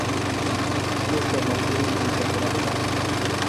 می سےۡ ملگِرم بیۡ تکڑہ بھِلہ